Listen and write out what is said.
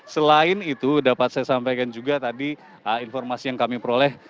selain itu dapat saya sampaikan juga tadi informasi yang kami peroleh